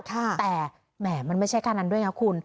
แต่แหม่มันไม่ใช่แค่นั้นด้วยนะคุณ